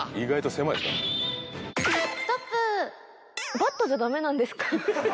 バットじゃだめなんですか？